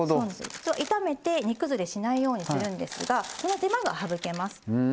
炒めて煮崩れしないようにするんですがその手間が省けます。